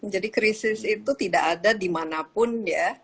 jadi krisis itu tidak ada dimanapun ya